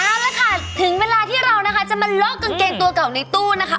เอาละค่ะถึงเวลาที่เรานะคะจะมาเลาะกางเกงตัวเก่าในตู้นะคะ